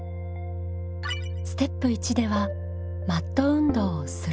ステップ１ではマット運動を「する」